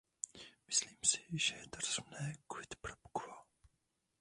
Myslím si, že je to rozumné quid pro quo.